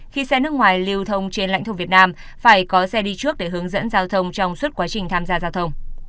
khi xe nước ngoài lưu thông trên lãnh thổ việt nam phải có xe đi trước để hướng dẫn giao thông trong suốt quá trình tham gia giao thông